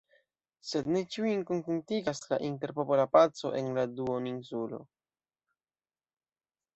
Sed ne ĉiujn kontentigas la interpopola paco en la duoninsulo.